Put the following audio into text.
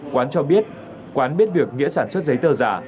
quán cho biết quán biết việc nghĩa sản xuất giấy tờ giả